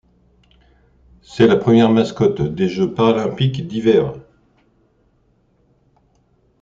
C'est la première mascotte des Jeux paralympiques d'hiver.